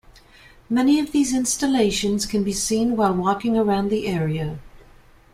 Many of these installations can be seen while walking around the area.